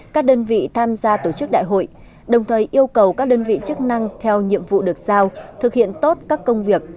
các đơn vị tham gia tổ chức đại hội đồng thời yêu cầu các đơn vị chức năng theo nhiệm vụ được sao thực hiện tốt các công việc